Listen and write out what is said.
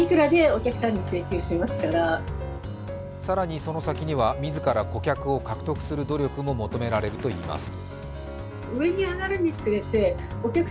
更に、その先には自ら顧客を獲得する努力も求められるといいます。